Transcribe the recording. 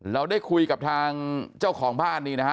เราได้คุยกับทางเจ้าของบ้านนี่นะฮะ